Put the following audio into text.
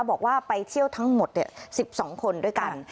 บอกว่าไปเที่ยวทั้งหมด๑๒คนด้วยกัน